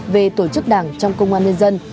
về tổ chức đảng trong công an nhân dân